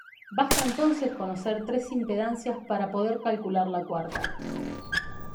Basta entonces conocer tres impedancias para poder calcular la cuarta.